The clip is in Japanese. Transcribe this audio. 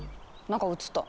何か映った。